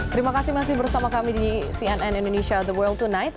terima kasih masih bersama kami di cnn indonesia the world tonight